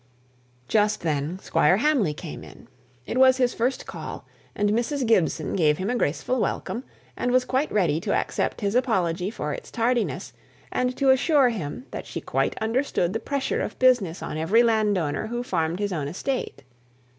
Just then Squire Hamley came in. It was his first call; and Mrs. Gibson gave him a graceful welcome, and was quite ready to accept his apology for its tardiness, and to assure him that she quite understood the pressure of business on every land owner who farmed his own estate.